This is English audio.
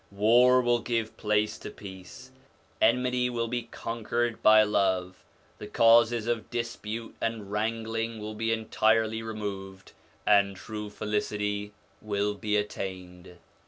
War will give place to peace, enmity will be conquered by love ; the causes of dispute and wrangling will be entirely removed, and true felicity will be attained.